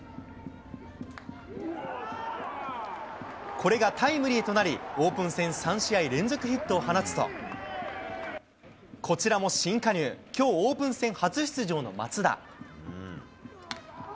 これがタイムリーとなり、オープン戦３試合連続ヒットを放つと、こちらも新加入、きょうオープン戦初出場の松田。